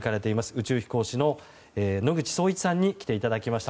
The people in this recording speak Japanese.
宇宙飛行士の野口聡一さんに来ていただきました。